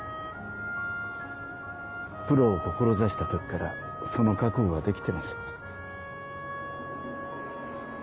プロを志した時からその覚悟はできてます。